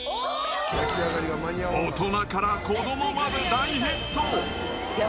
大人から子どもまで大ヒット。